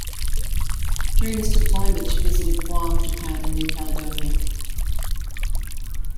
During this deployment, she visited Guam, Japan, and New Caledonia.